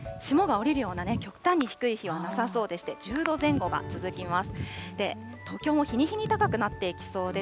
札幌はこの先、極端に、霜が降りるようなね、極端に低い日はなさそうでして、１０度前後が続きます。